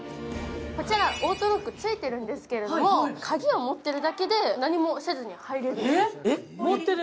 オートロックついているんですけれども、鍵を持っているだけで何もせずに入れるんです。